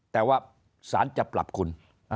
แต่ว่าสารจะปรับคุณ